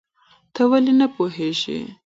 ته ولې نه پوهېږې؟